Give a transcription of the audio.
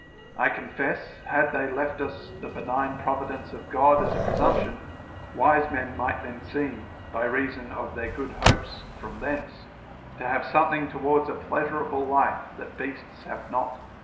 I confess, had they left us the benign provi dence of God as a presumption, wise men might then seem, by reason of their good hopes from thence, to have something towards a pleasurable life that beasts have not.